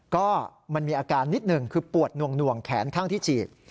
ก็มันมีอาการนิดหนึ่งคือปวดหน่วงแขนข้างที่ฉีด